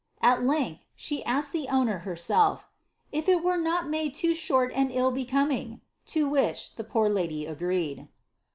At length, she asked the owner herself, ^^ if it were not made too short and ill becoming ?" to which the poor lady agreed.